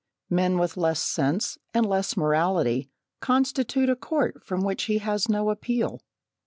Men with less sense, and less morality, constitute a court from which he has no appeal.